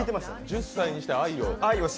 １０歳にして愛を？